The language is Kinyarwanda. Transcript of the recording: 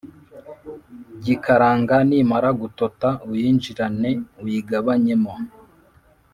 Gikaranga nimara gutota uyinjirane uyigabanyemo